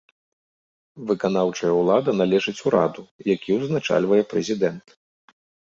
Выканаўчая ўлада належыць ураду, які ўзначальвае прэзідэнт.